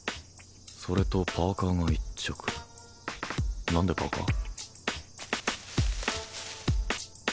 それとパーカーが一着何でパーカー？